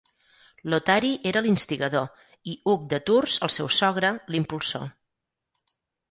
Lotari era l'instigador i Hug de Tours, el seu sogre, l'impulsor.